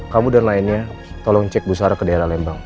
kamu dan lainnya tolong cek busara ke daerah lembang